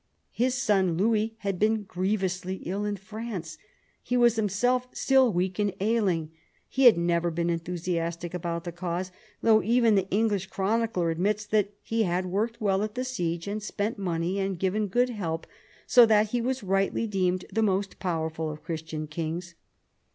His son Louis had been grievously ill in France. He was himself still weak and ailing. He had never been enthusiastic about the cause, though even the English chronicler admits that " he had worked well at the siege, and spent money, and given good help, so that he was rightly deemed the most powerful of Christian kings."